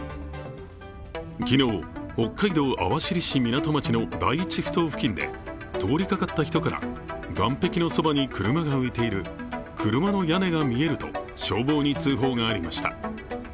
昨日、北海道網走市港町の第１ふ頭付近で通りかかった人から、岸壁のそばに車が浮いている、車の屋根が見えると消防に通報がありました。